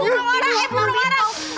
buar warah eh buar warah